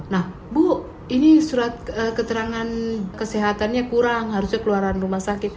nah bu ini surat keterangan kesehatannya kurang harusnya keluaran rumah sakit